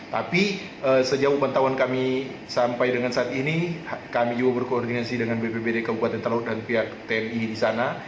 tapi sejauh pantauan kami sampai dengan saat ini kami juga berkoordinasi dengan bpbd kabupaten talaut dan pihak tni di sana